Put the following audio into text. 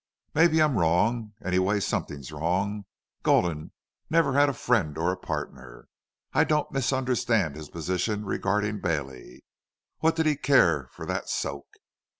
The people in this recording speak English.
"Maybe I'm wrong. Anyway something's wrong. Gulden never had a friend or a partner. I don't misunderstand his position regarding Bailey. What did he care for that soak?